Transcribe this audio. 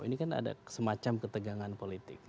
ini kan ada semacam ketegangan politik